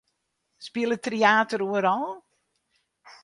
Spilet Tryater oeral?